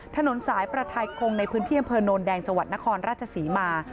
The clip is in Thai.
ถนนสายประทายคงในพื้นที่อำเภอโนนแดงจังหวัดนครราชศรีมา